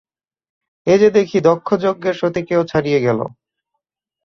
এ যে দেখি দক্ষযজ্ঞের সতীকেও ছাড়িয়ে গেল।